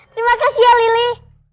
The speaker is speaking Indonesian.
terima kasih ya lili